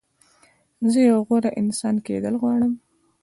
زه یو غوره انسان کېدل غواړم.